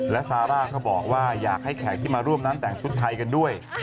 และซาร่าก็บอกว่าอยากให้แขกที่มาร่วมนั้นแต่งชุดไทยกันด้วย